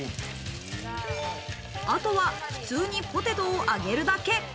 あとは普通にポテトを揚げるだけ。